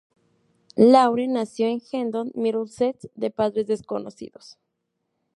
Lawrence nació en Hendon, Middlesex, de padres desconocidos.